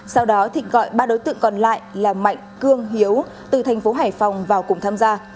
sau đó thịnh gọi ba đối tượng còn lại là mạnh cương hiếu từ thành phố hải phòng vào cùng tham gia